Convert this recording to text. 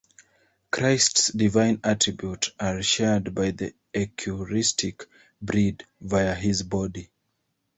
Christ's divine attributes are shared by the eucharistic bread via his body.